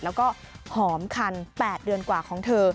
แล้วก็หอมคัน๘เดือนกว่าของเธอ